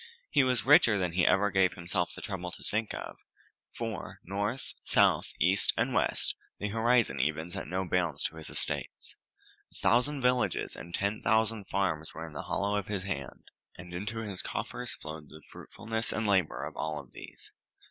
He was richer than he ever gave himself the trouble to think of, for, north, south, east, and west, the horizon even set no bounds to his estates. A thousand villages and ten thousand farms were in the hollow of his hand, and into his coffers flowed the fruitfulness and labor of all these.